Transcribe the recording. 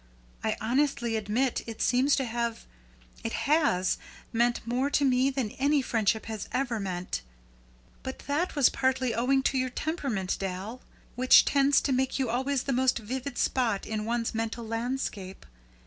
I honestly admit it seems to have it has meant more to me than any friendship has ever meant. But that was partly owing to your temperament, Dal, which tends to make you always the most vivid spot in one's mental landscape.